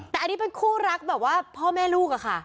แต่อันนี้เป็นคู่รักแบบว่าพ่อแม่ลูกอะค่ะ